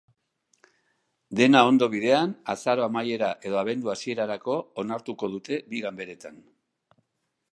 Dena ondo bidean, azaro amaiera edo abendu hasierarako onartuko dute bi ganberetan.